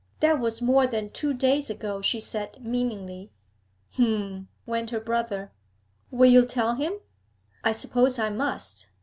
'That was more than two days ago,' she said meaningly. 'H'm!' went her brother. 'Will you tell him?' 'I suppose I must.